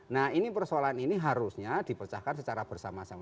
nah ini persoalan ini harusnya dipecahkan secara bersama sama